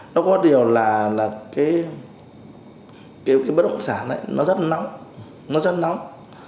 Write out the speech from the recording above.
nó có điều là cái bất động sản ấy nó rất là nóng nó rất là nóng